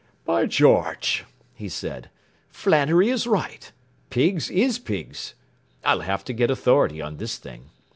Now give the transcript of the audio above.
“By George!” he said, “Flannery is right, 'pigs is pigs.' I'll have to get authority on this thing.